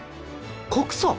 告訴？